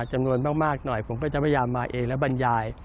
จำนวนมากหน่อยผมก็จะพยายามมาเองแล้วบรรยาย